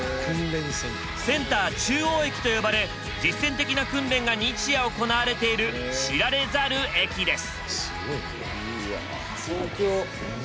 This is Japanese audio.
センター中央駅と呼ばれ実践的な訓練が日夜行われている知られざる駅です。